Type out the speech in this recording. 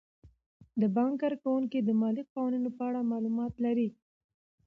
د بانک کارکوونکي د مالي قوانینو په اړه معلومات لري.